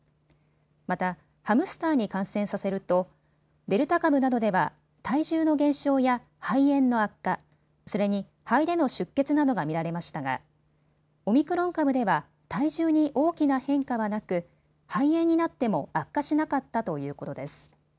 また、ハムスターに感染させるとデルタ株などでは体重の減少や肺炎の悪化、それに肺での出血などが見られましたがオミクロン株では体重に大きな変化はなく肺炎になっても悪化しなかったということです。